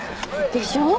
でしょ？